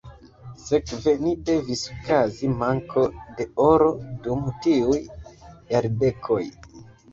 Sekve ne devis okazi manko de oro dum tiuj jardekoj.